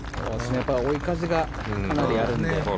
追い風がかなりあるので。